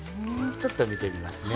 ちょっと見てみますね。